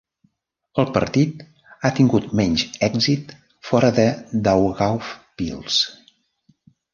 El partit ha tingut menys èxit fora de Daugavpils.